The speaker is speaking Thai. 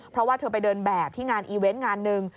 เพราะว่าเธอไปเดินแบบที่งานอีเวนต์งานหนึ่ง